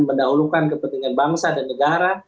mendahulukan kepentingan bangsa dan negara